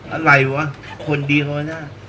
อะไรวะคนดีเขาจะ